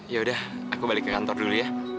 yaudah aku balik ke kantor dulu ya